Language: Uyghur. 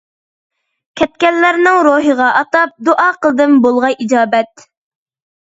كەتكەنلەرنىڭ روھىغا ئاتاپ، دۇئا قىلدىم بولغاي ئىجابەت.